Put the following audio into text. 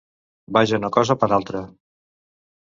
Vaja una cosa per altra.